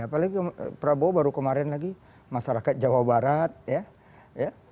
apalagi prabowo baru kemarin lagi masyarakat jawa barat ya